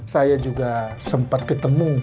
saya juga sempat ketemu